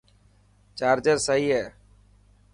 چارجر سئي هي.